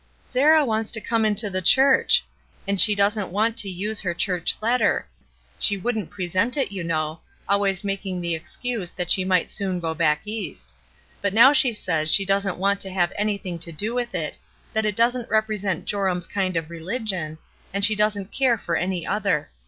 '* Sarah wants to come into the church. And she doesn't want to use her church letter; she wouldn't present it, you know, always making the excuse that she might soon go back East; but now she says she doesn't want to have anything to do with it, that it doesn't represent Joram's kind of religion, and she doesn't care for any other.